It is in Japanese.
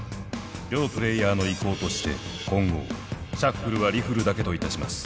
両プレーヤーの意向として今後シャッフルはリフルだけといたします。